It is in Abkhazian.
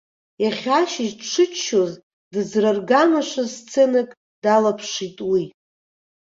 Иахьа ашыжь дшыччоз дызраргамашаз сценак далаԥшит уи.